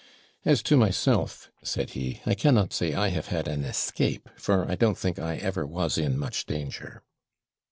'As to myself,' said he, 'I cannot say I have had an escape, for I don't think I ever was in much danger.'